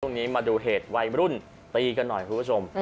มาดูเหตุวัยรุ่นตีกันหน่อยคุณผู้ชม